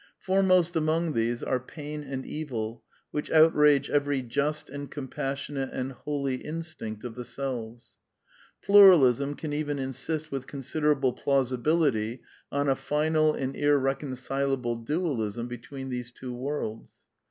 Fore most among these are pain and evil, which outrage every just and compassionate and holy instinct of the selves. Pluralism can even insist with considerable plausibility on a final and irreconcilable dualism between these two worlds.